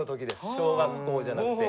小学校じゃなくて。